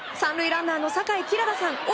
３塁ランナーの坂井希良来さん